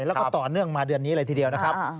แล้วก็ต่อเนื่องมาเดือนนี้เลยทีเดียวนะครับ